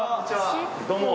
どうも。